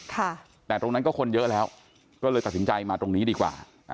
แต่ตรงนั้นก็คนเยอะแล้วก็เลยตัดสินใจมาตรงนี้ดีกว่า